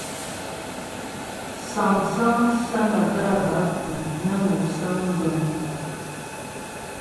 Sáŋsaŋ sánaga bə́ á puŋ nə́ nə səŋ bəŋ pa'.